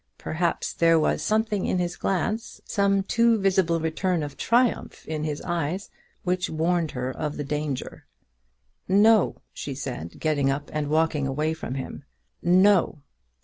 Perhaps there was something in his glance, some too visible return of triumph to his eyes, which warned her of her danger. "No!" she said, getting up and walking away from him; "no!"